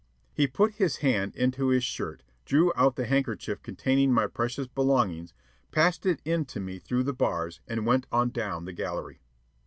He put his hand into his shirt, drew out the handkerchief containing my precious belongings, passed it in to me through the bars, and went on down the gallery.